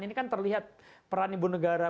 ini kan terlihat peran ibu negara